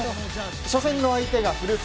初戦の相手が古巣